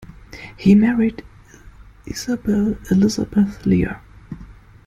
He married Isabel Elizabeth Lear.